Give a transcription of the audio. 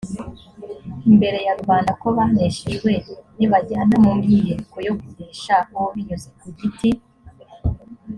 imbere ya rubanda ko baneshejwe n ibajyana mu myiyereko yo kunesha o binyuze ku giti